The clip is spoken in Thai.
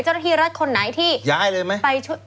จรธิรัติคนไหนที่ไป